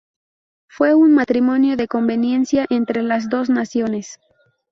Fue un matrimonio de conveniencia entre las dos naciones.